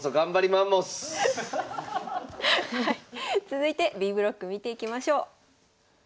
続いてＢブロック見ていきましょう。